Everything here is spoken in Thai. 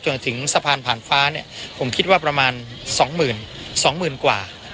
จนถึงสะพานผ่านฟ้าเนี่ยผมคิดว่าประมาณสองหมื่นสองหมื่นกว่า